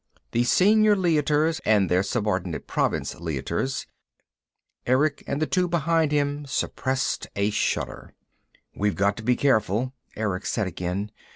The Senior Leiters and their subordinate Province Leiters Erick and the two behind him suppressed a shudder. "We've got to be careful," Erick said again.